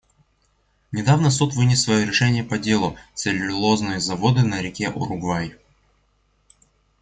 Недавно Суд вынес свое решение по делу «Целлюлозные заводы на реке Уругвай».